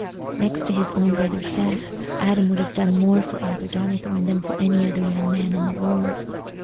Next to his own brother Seth, Adam would have done more for Arthur Donnithorne than for any other young man in the world.